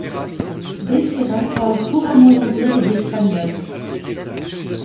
Becerra parle couramment l'anglais et l'espagnol.